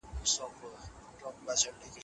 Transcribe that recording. سلام اچول عیب نه دی.